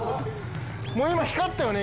もう今光ったよね